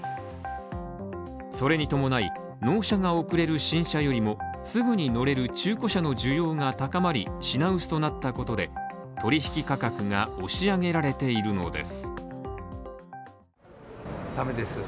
それに伴い、納車が遅れる新車よりもすぐに乗れる中古車の需要が高まり、品薄となったことで、取引価格が押し上げられているのです。